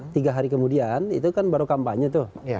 tiga hari kemudian itu kan baru kampanye tuh